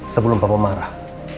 sebelum papa marah